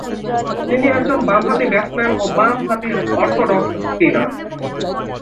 তিনি একজন বামহাতি ব্যাটসম্যান ও বাম-হাতি অর্থোডক্স স্পিনার।